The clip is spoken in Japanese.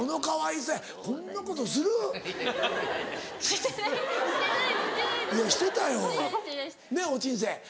いやしてたよねぇお沈静。